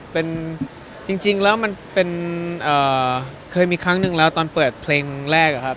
เป็นจริงแล้วมันเป็นเคยมีครั้งหนึ่งแล้วตอนเปิดเพลงแรกอะครับ